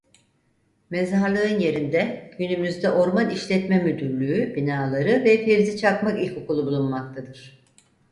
Mezarlığın yerinde günümüzde Orman İşletme Müdürlüğü binaları ve Fevzi Çakmak İlkokulu bulunmaktadır.